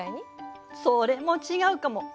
それも違うかも。